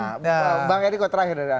nah bang edi kok terakhir ya